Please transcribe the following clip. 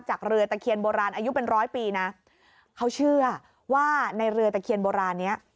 เรือตะเคียนโบราณอายุเป็นร้อยปีนะเขาเชื่อว่าในเรือตะเคียนโบราณเนี้ย